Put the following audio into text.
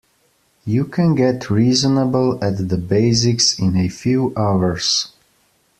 You can get reasonable at the basics in a few hours.